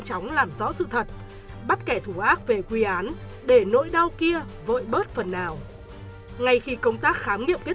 chóng bắt kẻ thù ác về quy án để nỗi đau kia vội bớt phần nào ngày khi công tác khám nghiệm kết